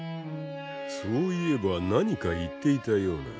そういえば何か言っていたような。